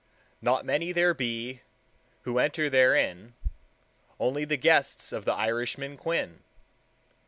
Not many there be Who enter therein, Only the guests of the Irishman Quin.